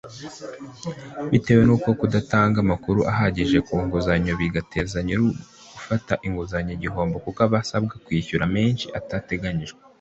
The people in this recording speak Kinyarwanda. bitewe no kudatanga amakuru ahagije ku nguzanyo bigateza nyirugufata inguzanyo igihombo kuko aba asabwa kwishyura menshi atateganyije